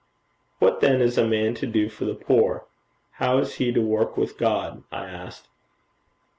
'What then is a man to do for the poor? How is he to work with God?' I asked.